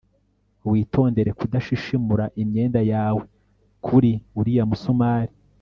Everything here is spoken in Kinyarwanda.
Witondere kudashishimura imyenda yawe kuri uriya musumari